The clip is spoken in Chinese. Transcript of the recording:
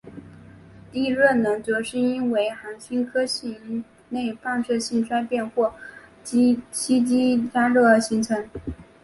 地热能则是因为行星核心内放射性衰变或吸积加热而形成。